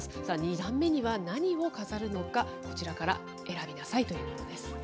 さあ、２段目には何を飾るのか、こちらから選びなさいというものです。